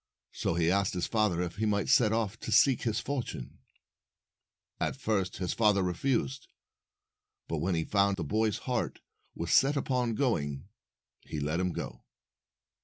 So he asked his father if he might set off to seek his fortune. At first his father refused, but when he found that the boy's heart was set upon going, he let him go.